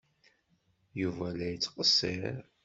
Yuba la yettqeṣṣir.